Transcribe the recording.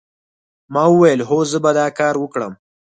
ما وویل هو زه به دا کار وکړم